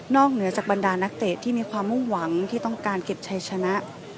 เหนือจากบรรดานักเตะที่มีความมุ่งหวังที่ต้องการเก็บชัยชนะ